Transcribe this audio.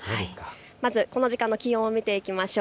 まずこの時間の気温を見ていきましょう。